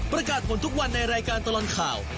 ประกาศผลทุกวันในรายการตลอดข่าว